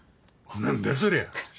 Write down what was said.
何だそりゃ。